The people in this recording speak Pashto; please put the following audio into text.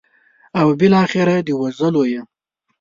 او بالاخره د وژلو یې.